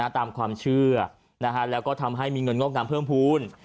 ตามความเชื่อแล้วก็ทำให้มีเงินงอกงามเพิ่มภูมิ